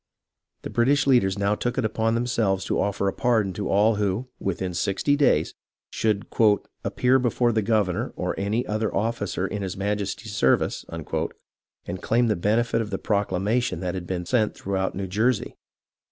The British leaders now took it upon themselves to offer a pardon to all who, within sixty days, should " appear be fore the governor or any other officer in his Majesty's ser vice " and claim the benefit of the proclamation that had been sent throughout New Jersey.